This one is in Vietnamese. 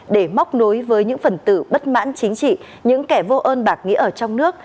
để móc nối với những phần tử bất mãn chính trị những kẻ vô ơn bạc nghĩa ở trong nước